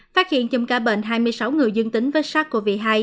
phát hiện chùm ca bệnh hai mươi sáu người dương tính với sars cov hai